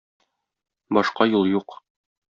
Башка юл юк.